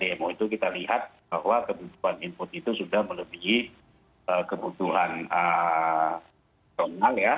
dmo itu kita lihat bahwa kebutuhan input itu sudah melebihi kebutuhan donald ya